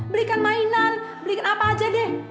berikan mainan berikan apa aja deh